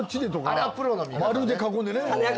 丸で囲んでね。